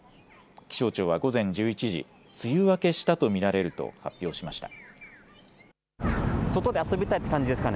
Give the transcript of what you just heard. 気象庁は午前１１時、梅雨明けしたと見られると発表しました。